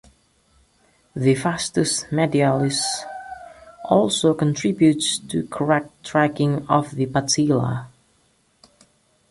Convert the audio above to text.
The vastus medialis also contributes to correct tracking of the patella.